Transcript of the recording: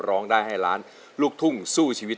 ร้องได้ให้ล้านลูกทุ่งสู้ชีวิต